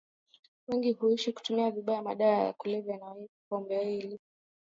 wengi huishia kutumia vibaya madawa ya kulevya na pombe ili